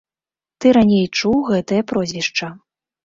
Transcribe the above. Ты раней чуў гэтае прозвішча.